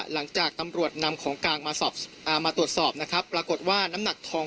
หลังจากตำรวจนำของกลางมาสอบมาตรวจสอบนะครับปรากฏว่าน้ำหนักทอง